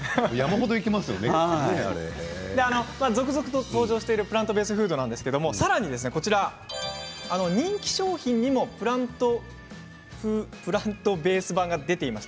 続々と登場しているプラントベースフードなんですがさらに人気商品にもプラントベース版が出ています。